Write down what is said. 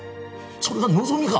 それが望みか？